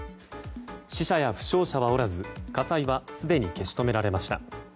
死者や負傷者はおらず、火災はすでに消し止められました。